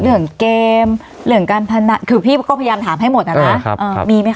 เรื่องเกมเรื่องการพนันคือพี่ก็พยายามถามให้หมดนะมีไหมค